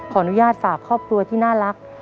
ขออนุญาตฝากครอบครัวที่น่ารัก